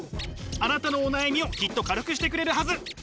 あなたのお悩みをきっと軽くしてくれるはず。